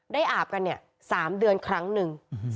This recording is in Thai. อาบกันเนี่ย๓เดือนครั้งหนึ่ง